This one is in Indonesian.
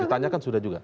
ditanyakan sudah juga